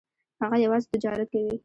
هغه یوازې تجارت کوي.